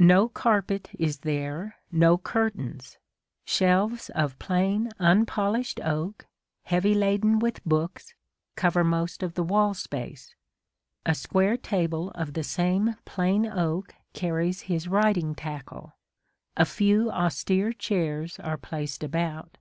No carpet is there, no curtains ; shelves of plain unpolished oak, heavy laden with books, cover most of the wall space : a square table of the same plain oak carries his writing tackle : a few austere chairs are placed about.